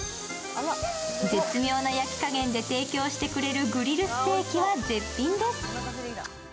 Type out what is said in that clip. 絶妙な焼き加減で提供してくれるグリルステーキは絶品です。